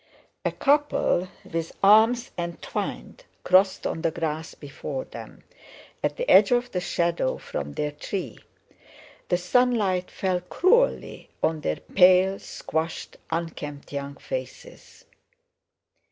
A couple with arms entwined crossed on the grass before them, at the edge of the shadow from their tree. The sunlight fell cruelly on their pale, squashed, unkempt young faces.